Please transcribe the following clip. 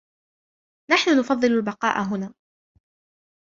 نحن نفضل البقاء هنا.